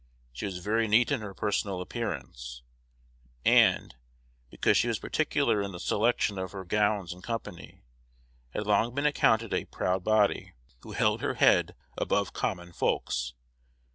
She was very neat in her personal appearance, and, because she was particular in the selection of her gowns and company, had long been accounted a "proud body," who held her head above common folks.